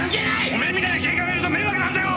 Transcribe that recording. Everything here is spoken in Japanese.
おめぇみたいな警官がいると迷惑なんだよ！